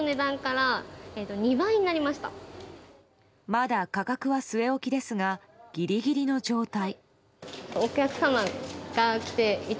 まだ価格は据え置きですがギリギリの状態。